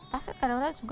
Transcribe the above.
tas kan kadang kadang suka